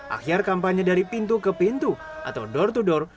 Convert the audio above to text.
akhir kampanye dari pintu ke pintu atau door to door